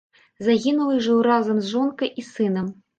Загінулы жыў разам з жонкай і сынам.